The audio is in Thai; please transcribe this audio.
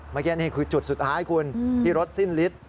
เมื่อกี้นี่คือจุดสุดท้ายคุณที่รถสิ้นฤทธิ์